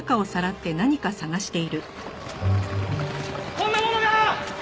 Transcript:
こんなものが！